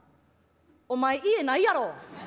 「お前家ないやろ。